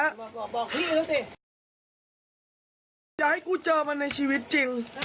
อยากให้กูเจอมันในชีวิตจริง